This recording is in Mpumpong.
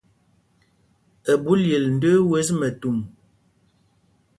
Ɛɓú lyel ndəə wes mɛtu.